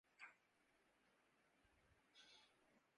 خرام ناز برق خرمن سعی سپند آیا